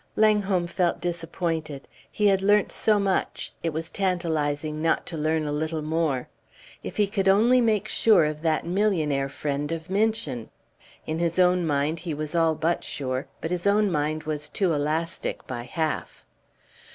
Langholm felt disappointed. He had learnt so much, it was tantalizing not to learn a little more. If he could only make sure of that millionaire friend of Minchin! In his own mind he was all but sure, but his own mind was too elastic by half.